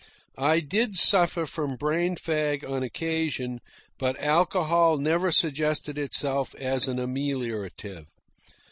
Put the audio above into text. I did suffer from brain fag on occasion, but alcohol never suggested itself as an ameliorative.